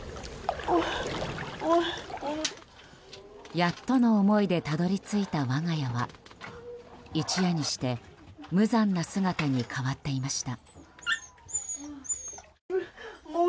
やっとの思いでたどり着いた我が家は一夜にして無残な姿に変わっていました。